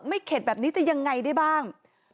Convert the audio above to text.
เข็ดแบบนี้จะยังไงได้บ้าง